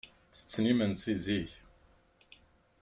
Ttetten imensi zik.